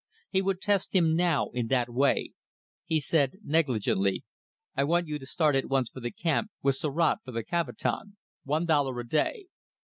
He would test him now in that way. He said negligently "I want you to start at once for the camp, with surat for the Kavitan. One dollar a day."